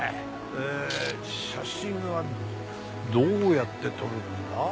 え写真はどうやって撮るんだ？